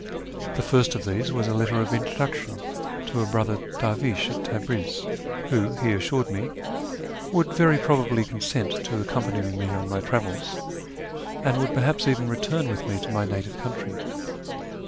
The first of these was a letter of introduction to a brother dervish at Tabriz, who, he assured me, would very probably consent to accompany me on my travels, and would perhaps even return with me to my native country.